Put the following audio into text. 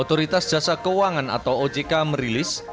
otoritas jasa keuangan atau ojk merilis